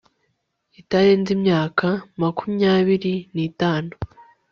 itarenze imyaka makumyabiri n itanu